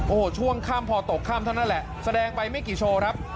โอ้โหช่วงค่ำพอตกค่ำเท่านั้นแหละแสดงไปไม่กี่โชว์ครับ